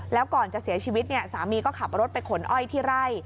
แล้วก่อนจะเสียชีวิตเนี่ยสามีก็ขับรถไปขนอ้อยที่ไร่